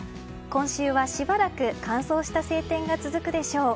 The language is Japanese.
今週はしばらく乾燥した晴天が続くでしょう。